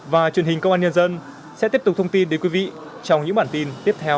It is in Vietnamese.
và truyền hình công an nhân dân sẽ tiếp tục thông tin đến quý vị trong những bản tin tiếp theo